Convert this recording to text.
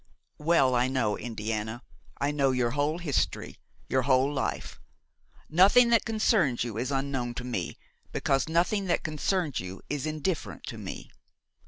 "Well, I know, Indiana. I know your whole history, your whole life. Nothing that concerns you is unknown to me, because nothing that concerns you is indifferent to me.